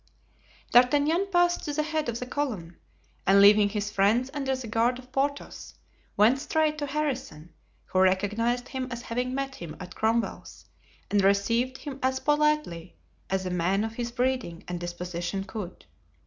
D'Artagnan passed to the head of the column, and leaving his friends under the guard of Porthos, went straight to Harrison, who recognized him as having met him at Cromwell's and received him as politely as a man of his breeding and disposition could.